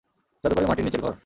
জাদুকরের মাটির নিচের ঘর?